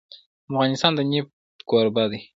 افغانستان د نفت کوربه دی.